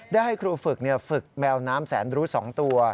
ได้ให้ครูฝึกฝึกแมวน้ำแสนรู้๒ตัว